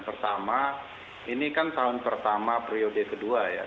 pertama ini kan tahun pertama periode kedua ya